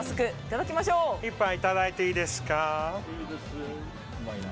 １杯いただいていいですか。